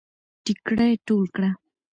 ټيکړی ټول کړه